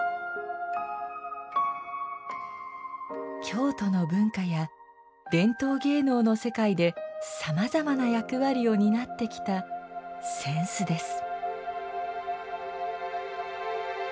京都の文化や伝統芸能の世界でさまざまな役割を担ってきた扇子です。